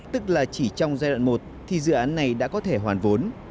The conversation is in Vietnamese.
tức là chỉ trong giai đoạn một thì dự án này đã có thể hoàn vốn